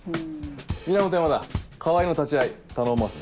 源山田川合の立ち会い頼んますぜ。